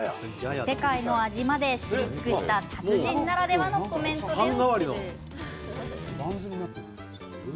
世界の味まで知り尽くした達人ならではのコメントです。